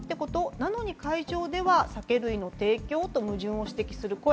なのに会場では酒類の提供？と矛盾を指摘する声。